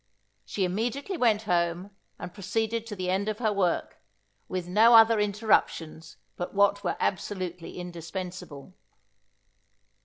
She immediately went home; and proceeded to the end of her work, with no other interruptions but what were absolutely indispensible.